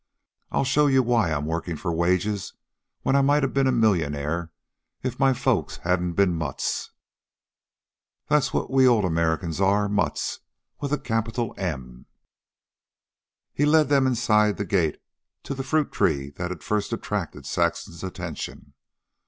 "I'll show you why I'm workin' for wages when I might a ben a millionaire if my folks hadn't been mutts. That's what we old Americans are, Mutts, with a capital M." He led them inside the gate, to the fruit tree that had first attracted Saxon's attention.